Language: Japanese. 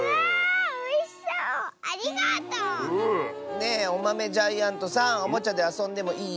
ねえおまめジャイアントさんおもちゃであそんでもいい？